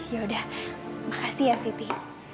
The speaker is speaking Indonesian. ya udah makasih ya siti